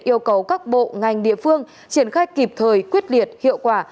yêu cầu các bộ ngành địa phương triển khai kịp thời quyết liệt hiệu quả